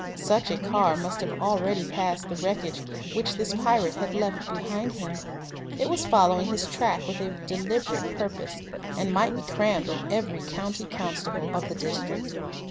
Such a car must have already passed the wreckage which this pirate had left behind him. It was following his track with a deliberate purpose, and might be crammed with every county constable of the district.